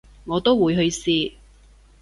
我都會去試